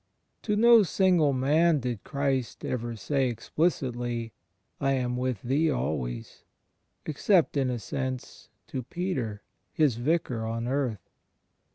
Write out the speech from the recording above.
To no single man did Christ ever say explicitly "I am with thee always," except, in a sense, to Peter, His Vicar on earth.